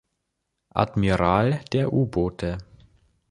Admiral der U-Boote.